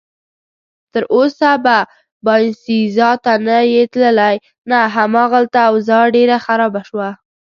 تراوسه به باینسیزا ته نه یې تللی؟ نه، هماغلته اوضاع ډېره خرابه شوه.